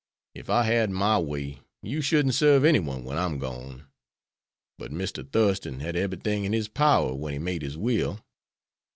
Ef I had my way you shouldn't serve any one when I'm gone; but Mr. Thurston had eberything in his power when he made his will.